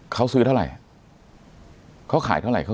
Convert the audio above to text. เขาซื้อเท่าไหร่เขาขายเท่าไหร่